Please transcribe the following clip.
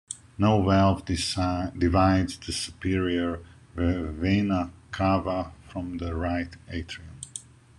No valve divides the superior vena cava from the right atrium.